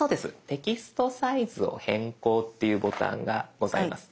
「テキストサイズを変更」っていうボタンがございます。